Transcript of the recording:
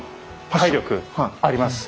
体力あります。